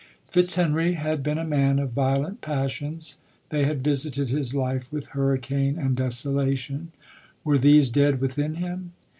Fitzhenry had been a man of violent passions; they had visited his life with hurricane and desolation ;— were these dead within him